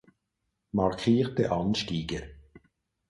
Markierte Anstiege